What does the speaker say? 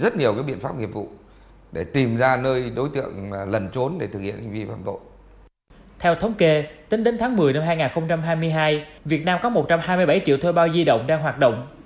theo thống kê tính đến tháng một mươi năm hai nghìn hai mươi hai việt nam có một trăm hai mươi bảy triệu thuê bao di động đang hoạt động